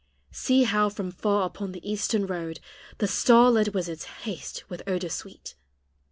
See how from far upon the eastern road The star led wizards haste with odors sweet!